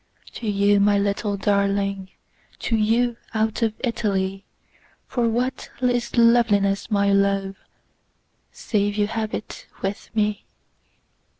To you, my little darling, To you, out of Italy.For what is loveliness, my love, Save you have it with me!